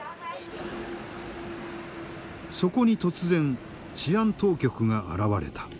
そこに突然治安当局が現れた。